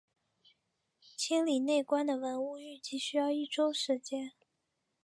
清理内棺的文物预计需要一周时间。